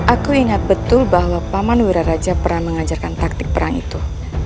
aku ingat betul bahwa paman wiraraja pernah mengajarkan taktik perang itu